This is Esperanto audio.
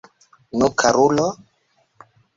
Nu, karulo?